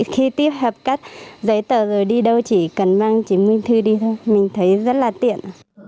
khi tiếp hợp các giấy tờ rồi đi đâu chỉ cần mang chứng minh thư đi thôi mình thấy rất là tiện